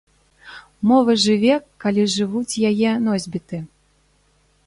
Мова жыве, калі жывуць яе носьбіты.